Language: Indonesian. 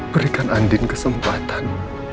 berikan andin kesempatan